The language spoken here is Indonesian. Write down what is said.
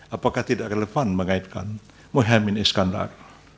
apakah tidak relevan mengaitkan mohaimin iskandar